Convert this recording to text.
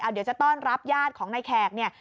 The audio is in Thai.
เดี๋ยวจะต้อนรับญาติของนายแขกเนี่ย